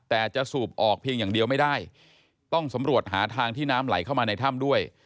แต่จะสูบออกเพียงอย่างเดียวไม่ได้ต้องสำรวจหาทางที่น้ำไหลเข้ามาในถ้ำด้วย